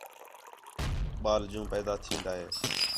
ٻال جوں پیدا تِھین٘دا ہے